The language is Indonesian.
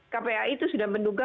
kpa itu sudah menduga